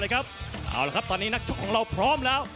เอาละครับตอนนี้นักชกของเราพร้อมแล้ว